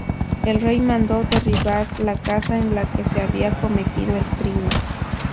El rey mandó derribar la casa en la que se había cometido el crimen.